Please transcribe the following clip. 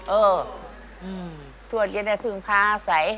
เออทวดเย็นและทึงพาใส